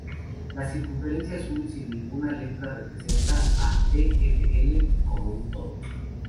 La circunferencia azul sin ninguna letra representa a TfL como un todo.